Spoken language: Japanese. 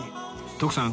徳さん